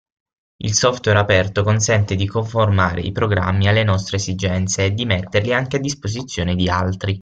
Il software aperto consente di conformare i programmi alle nostre esigenze e di metterli anche a disposizione di altri.